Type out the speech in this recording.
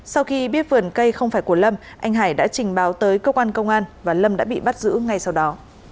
sau khi biết vườn cây không phải của lâm anh hải đã trình báo tới cơ quan công an và lâm đã bị bắt giữ ngay sau đó